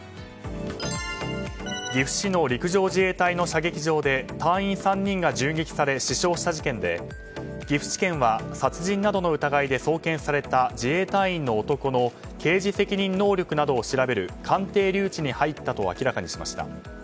岐阜市の陸上自衛隊の射撃場で隊員３人が銃撃され死傷した事件で、岐阜地検は殺人などの疑いで送検された自衛隊員の男の刑事責任能力などを調べる鑑定留置に入ったと明らかにしました。